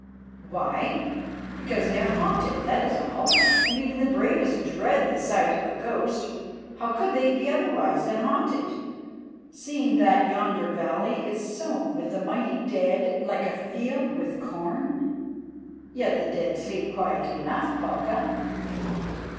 "Why? Because they are haunted, that is all, and even the bravest dread the sight of a ghost. How could they be otherwise than haunted, seeing that yonder valley is sown with the mighty dead like a field with corn?" "Yet the dead sleep quietly enough, Palka."